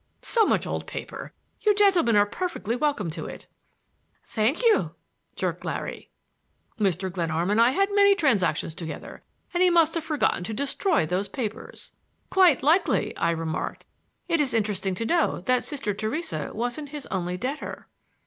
"So much old paper! You gentlemen are perfectly welcome to it." "Thank you!" jerked Larry. "Mr. Glenarm and I had many transactions together, and he must have forgotten to destroy those papers." "Quite likely," I remarked. "It is interesting to know that Sister Theresa wasn't his only debtor."